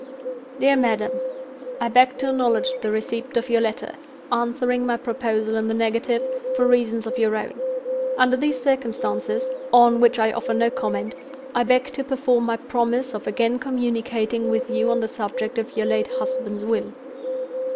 "DEAR MADAM, "I beg to acknowledge the receipt of your letter, answering my proposal in the negative, for reasons of your own. Under these circumstances—on which I offer no comment—I beg to perform my promise of again communicating with you on the subject of your late husband's Will.